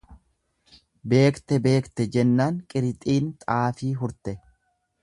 Beekte beekte jennaan qirixiin xaafii hurte.